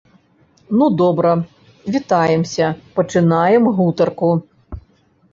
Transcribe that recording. Ну добра, вітаемся, пачынаем гутарку.